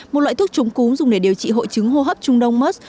một loại thuốc chống cúm dùng để điều trị hội chứng hô hấp trung đông mers